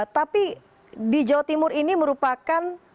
tapi di jawa timur ini merupakan